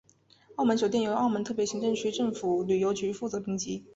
澳门酒店由澳门特别行政区政府旅游局负责评级。